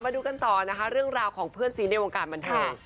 ดูกันต่อนะคะเรื่องราวของเพื่อนซีในวงการบันเทิง